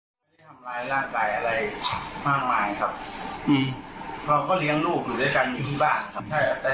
ไม่ได้ทำร้ายร่างกายอะไรมากมายครับอืมเขาก็เลี้ยงลูกอยู่ด้วยกันอยู่ที่บ้านครับใช่ครับ